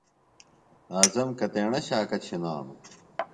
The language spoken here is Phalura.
اعظم کتیݨہ شاکہ چِھنانُوۡ؟